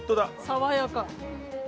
爽やか！